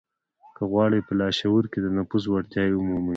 که غواړئ په لاشعور کې د نفوذ وړتيا ومومئ.